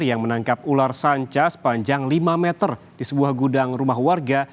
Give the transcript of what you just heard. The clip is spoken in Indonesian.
yang menangkap ular sanca sepanjang lima meter di sebuah gudang rumah warga